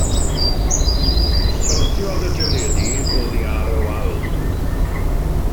Syrthiodd y teledu oddi ar y wal.